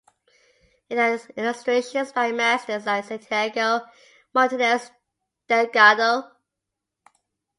It had illustrations by masters like Santiago Martinez Delgado.